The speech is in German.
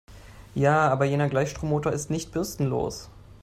Ja, aber jener Gleichstrommotor ist nicht bürstenlos.